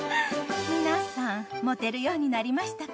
皆さん持てるようになりましたか？